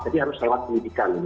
jadi harus lewat pendidikan